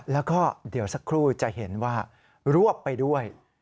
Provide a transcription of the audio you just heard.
แล้วก็เดี๋ยวสักครู่จะเห็นว่ารวบไปด้วย